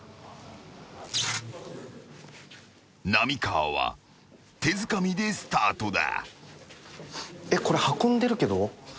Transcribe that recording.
［浪川は手づかみでスタートだ］